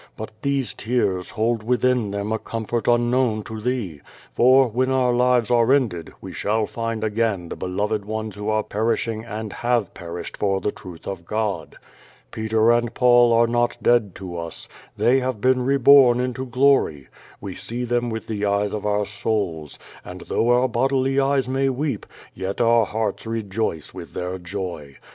But these tears hold within them a comfort unknown to thee, for, when our lives are ended, we shall find again the beloved ones who are perishing and have perished for the truth of God. Peter and I'aul are not dead to us. They have been reborn into glory. We see them with the eyes of our souls, and though our bodily eyes may weep, yet our hearts rejoice with their joy.